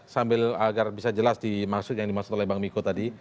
sambil agar bisa jelas dimaksud yang dimaksud oleh bang miko tadi